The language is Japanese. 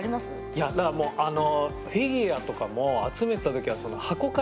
いやだからもうフィギュアとかも集めてた時は箱から出さない。